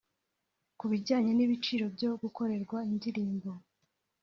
Ku bijyanye n’ ibiciro byo gukorerwa indirimbo